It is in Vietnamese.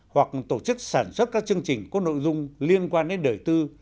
hoặc tổ chức sản xuất các chương trình có nội dung liên quan đến đời tư